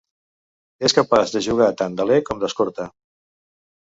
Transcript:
És capaç de jugar tant d'aler com d'escorta.